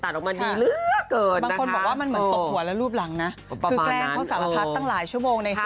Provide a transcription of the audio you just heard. ตัดออกมาดีเหลือเกินนะคะ